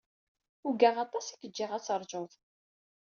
Ugaɣ aṭas ay k-jjiɣ ad teṛjuḍ.